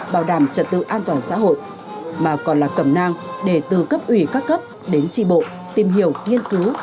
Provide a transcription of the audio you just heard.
bảo đảm trật tự an toàn xã hội mà còn là cầm nang để từ cấp ủy các cấp đến tri bộ tìm hiểu nghiên cứu